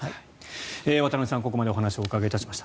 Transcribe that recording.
渡部さん、ここまでお話をお伺いいたしました。